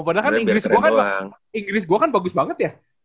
padahal kan inggris gua kan bagus banget ya